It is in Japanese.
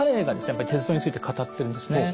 やっぱり鉄道について語ってるんですね。